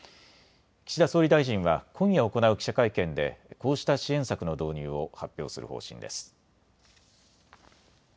岸田総理大臣は今夜行う記者会見でこうした支援策の導入を発表する方針です。